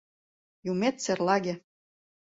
Юмет серлаге!